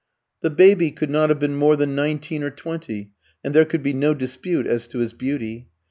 The baby could not have been more than nineteen or twenty, and there could be no dispute as to his beauty.